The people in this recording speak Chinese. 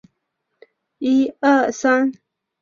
早年是诸生。